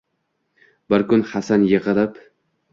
Bir kun Hasan yiqilib